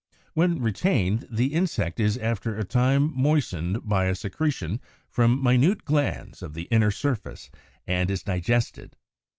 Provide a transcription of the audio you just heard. When retained, the insect is after a time moistened by a secretion from minute glands of the inner surface, and is digested.